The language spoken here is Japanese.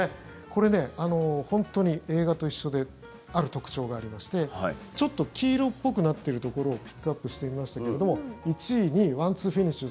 これ、本当に映画と一緒である特徴がありましてちょっと黄色っぽくなっているところをピックアップしてみましたけども１位、２位ワンツーフィニッシュ